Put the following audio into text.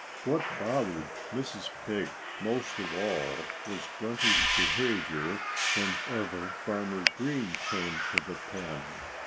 What bothered Mrs. Pig most of all was Grunty's behavior whenever Farmer Green came to the pen.